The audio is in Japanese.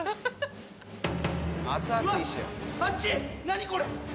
何これ。